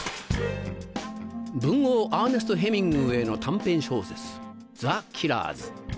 文豪アーネスト・ヘミングウェイの短編小説『ＴｈｅＫｉｌｌｅｒｓ』。